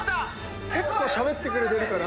結構しゃべってくれてるから。